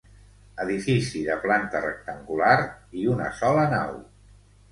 Edifici de planta rectangular i una sola nau.